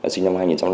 sinh năm hai nghìn ba